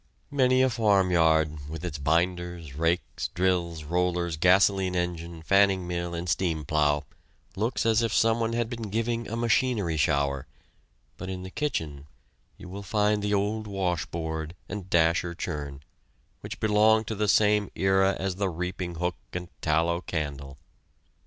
Many a farmyard, with its binders, rakes, drills, rollers, gasoline engine, fanning mill, and steam plow looks as if someone had been giving a machinery shower; but in the kitchen you will find the old washboard and dasher churn, which belonged to the same era as the reaping hook and tallow candle.